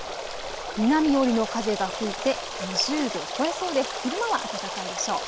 南寄りの風が吹いて２０度を超えそうで昼間は暖かいでしょう。